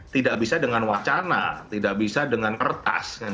tidak bisa dengan wacana tidak bisa dengan kertas